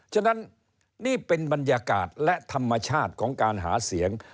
ฉะนั้นนี่เป็นบรรยากาศและธรรมชาติของการหาเสียง